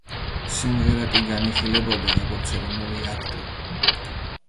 სიმღერა კი განიხილებოდა, როგორც ეროვნული აქტი.